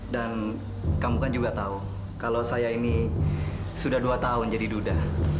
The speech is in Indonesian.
dan kamu kan juga tahu kalau saya ini sudah dua tahun jadi duda